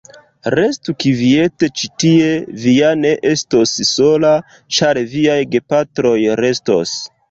Restu kviete ĉi tie, vi ja ne estos sola, ĉar viaj gepatroj restos.